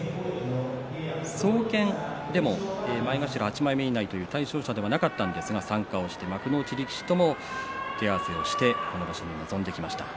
総見でも前頭８枚目以内という対象者ではありませんでしたが参加して幕内力士とも手合わせをして今場所に臨んできました。